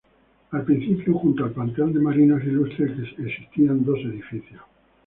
Al principio, junto al Panteón de Marinos Ilustres, existían dos edificios.